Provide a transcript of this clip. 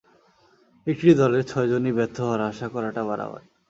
একটি দলের ছয়জনই ব্যর্থ হওয়ার আশা করাটা বাড়াবাড়ি।